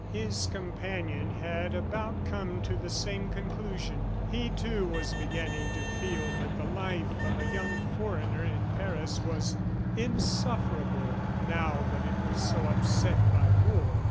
His companion had about come to the same conclusion. He, too, was beginning to feel that the life of a young foreigner in Paris was insufferable, now that it was so upset by war.